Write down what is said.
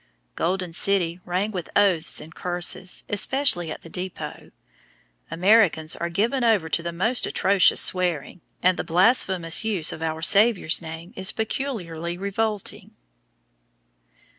Golden City rang with oaths and curses, especially at the depot. Americans are given over to the most atrocious swearing, and the blasphemous use of our Savior's name is peculiarly revolting.